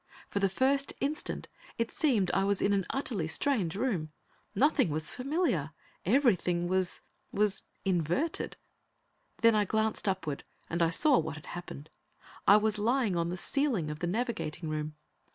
For the first instant, it seemed I was in an utterly strange room. Nothing was familiar. Everything was was inverted. Then I glanced upward, and I saw what had happened. I was lying on the ceiling of the navigating room.